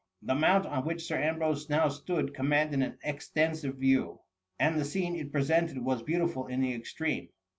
The mount on which Sir Ambrose now stood, commanded an extensive view, and the scene it presented was beautiful in the extreme.